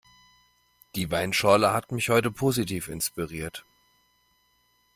Die Weinschorle hat mich heute positiv inspiriert.